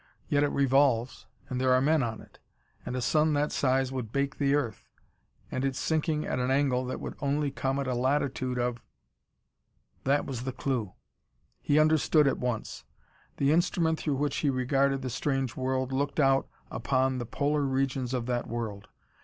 Yet it revolves, and there are men on it. And a sun that size would bake the earth.... And it's sinking at an angle that would only come at a latitude of " That was the clue. He understood at once. The instrument through which he regarded the strange world looked out upon the polar regions of that world.